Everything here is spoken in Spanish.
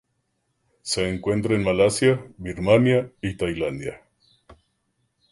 Se encuentra en Malasia, Birmania y Tailandia.